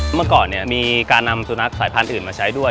เมื่อก่อนเนี่ยมีการนำสุนัขสายพันธุ์อื่นมาใช้ด้วย